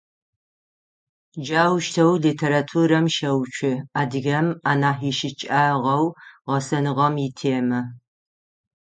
Джаущтэу литературэм щэуцу адыгэм анахь ищыкӏагъэу-гъэсэныгъэм итемэ.